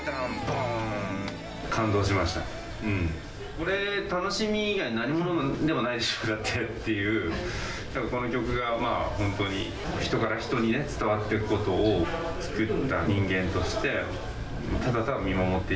これ楽しみ以外何ものでもないっていうこの曲が本当に人から人にね伝わっていくことを作った人間としてただただ見守っていけたらいいなと思います。